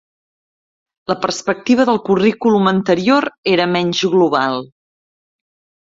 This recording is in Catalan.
La perspectiva del currículum anterior era menys global.